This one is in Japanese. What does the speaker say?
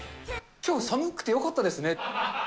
きょう、寒くてよかったですね。